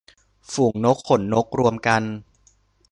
ฝูงนกขนนก - รวมกัน